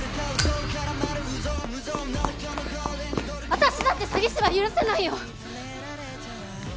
私だって詐欺師は許せないよ！